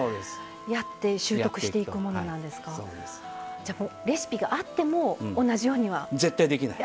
じゃあレシピがあっても同じようには。絶対できない。